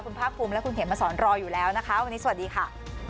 คุณภาคภูมิและคุณเขมมาสอนรออยู่แล้วนะคะวันนี้สวัสดีค่ะ